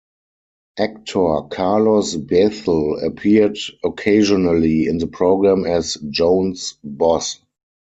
Actor Carlos Bethel appeared occasionally in the program as Juan's boss.